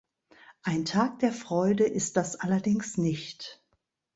Ein Tag der Freude ist das allerdings nicht.